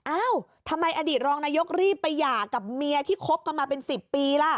อ้าวทำไมอดีตรองนายกรีบไปหย่ากับเมียที่คบกันมาเป็น๑๐ปีล่ะ